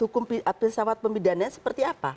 hukum filsafat pemidananya seperti apa